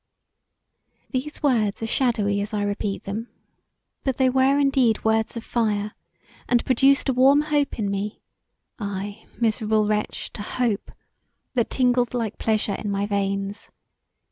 These words are shadowy as I repeat them but they were indeed words of fire and produced a warm hope in me (I, miserable wretch, to hope!) that tingled like pleasure in my veins.